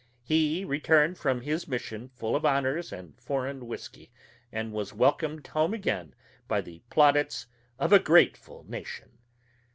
He returned from his mission full of honors and foreign whisky, and was welcomed home again by the plaudits of a grateful nation.